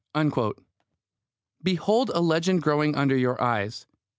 _ Behold a legend growing under your eyes!